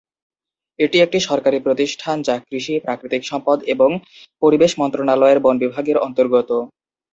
এটি একটি সরকারি প্রতিষ্ঠান, যা কৃষি, প্রাকৃতিক সম্পদ এবং পরিবেশ মন্ত্রণালয়ের বন বিভাগের অন্তর্গত।